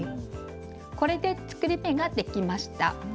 これで作り目ができました。